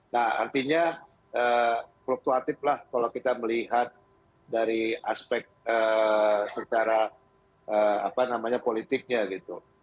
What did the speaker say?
nah artinya fluktuatif lah kalau kita melihat dari aspek secara apa namanya politiknya gitu